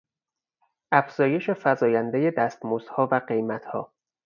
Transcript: افزایش فزایندهی دستمزدها و قیمتها